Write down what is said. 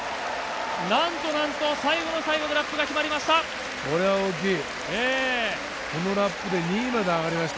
なんとなんと、最後の最後のラップが決まりました。